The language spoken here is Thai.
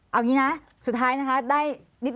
เอางี้นะสุดท้ายนะคะได้นิดน